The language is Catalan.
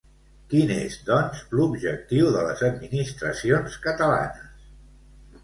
Quin és, doncs, l'objectiu de les administracions catalanes?